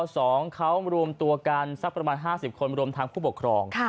สองเขารวมตัวกันสักประมาณ๕๐คนรวมทางผู้ปกครอง